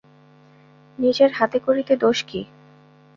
নিজের হাতে করিতে দোষ কী।